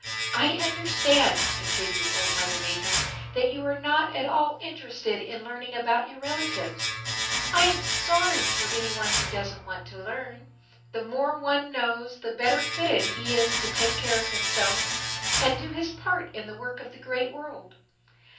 "I understand," continued Old Mother Nature, "That you are not at all interested in learning about your relatives. I am sorry for any one who doesn't want to learn. The more one knows the better fitted he is to take care of himself and do his part in the work of the Great World.